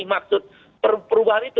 maksud perubahan itu